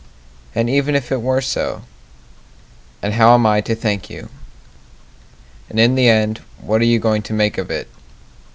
And even if it were so? And how am I to thank you? And in the end, what are you going to make of it?